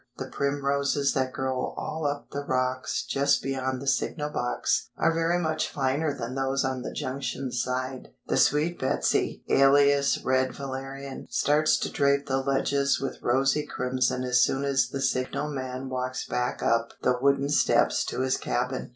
The primroses that grow all up the rocks, just beyond the signal box, are very much finer than those on the junction side; the Sweet Betsey (alias red valerian) starts to drape the ledges with rosy crimson as soon as the signalman walks back up the wooden steps to his cabin.